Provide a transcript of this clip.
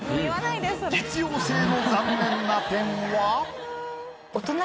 実用性の残念な点は？